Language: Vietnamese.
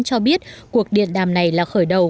cho biết cuộc điện đàm này là khởi đầu